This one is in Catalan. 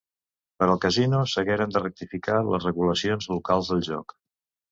Per al casino s'hagueren de rectificar les regulacions locals del joc.